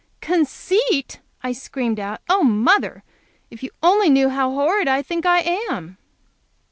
"Conceit!" I screamed out. "Oh, mother, if you only knew how horrid I think I am!"